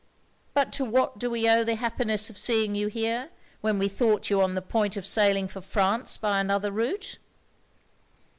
But to what do we owe the happiness of seeing you here, when we thought you on the point of sailing for France by another route?'